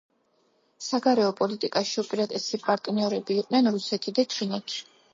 საგარეო პოლიტიკაში უპირატესი პარტნიორები იყვნენ რუსეთი და ჩინეთი.